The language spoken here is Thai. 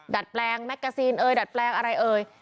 ดัดแปลงแมกกาซีนเอ่ยดัดแปลงอะไรเอ่ย